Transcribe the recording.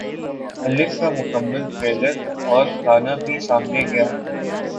الف کا مکمل ٹریلر اور گانا بھی سامنے گیا